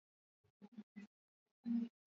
Dalili nyingine ni tatizo la upumuaji